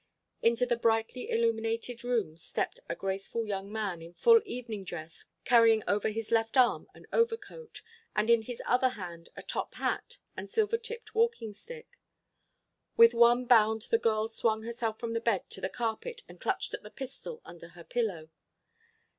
Into the brightly illuminated room stepped a graceful young man in full evening dress carrying over his left arm an overcoat, and in his other hand a top hat and silver tipped walking stick. With one bound the girl swung herself from the bed to the carpet and clutched at the pistol under her pillow.